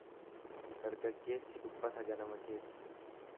Dargaggeessi dubbata ganama keessa.